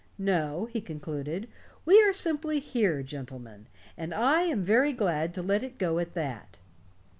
No," he concluded, "we are simply here, gentlemen, and I am very glad to let it go at that."